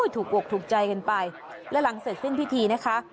ถูกอกถูกใจกันไปและหลังเสร็จสิ้นพิธีนะคะ